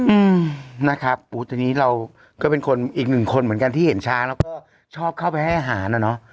อืมนะครับโอ้ทีนี้เราก็เป็นคนอีกหนึ่งคนเหมือนกันที่เห็นช้างแล้วก็ชอบเข้าไปให้อาหารอ่ะเนอะ